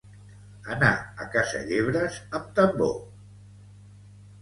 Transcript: Anar a caçar llebres amb tambor.